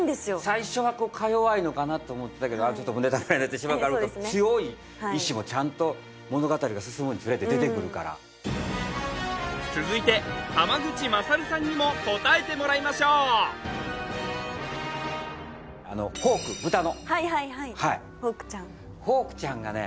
最初はかよわいのかなと思ってたけどちょっとネタバレになってしまう強い意志もちゃんと物語が進むにつれて出てくるから続いて濱口優さんにも答えてもらいましょうホーク豚のはいはいはいホークちゃんホークちゃんがね